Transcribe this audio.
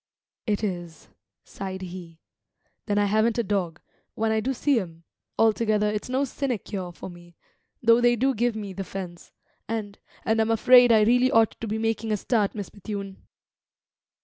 "It is," sighed he. "Then I haven't a dog, when I do see 'em; altogether it's no sinecure for me, though they do give me the fence; and and I'm afraid I really ought to be making a start, Miss Bethune."